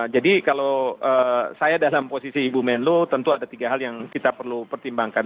jadi kalau saya dalam posisi ibu menlu tentu ada tiga hal yang kita perlu pertimbangkan